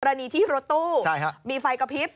รณีที่รถตู้มีไฟกระพริบ